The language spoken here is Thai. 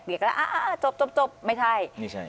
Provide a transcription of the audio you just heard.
เกลียกแล้วไปจบไม่ใช่